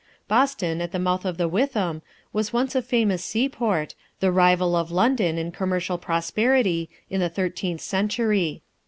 Boston, at the mouth of the Witham, was once a famous seaport, the rival of London in commercial prosperity, in the thirteenth century.